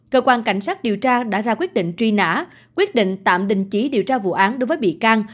cơ quan cảnh sát điều tra đã ra quyết định truy nã quyết định tạm đình chỉ điều tra vụ án đối với bị can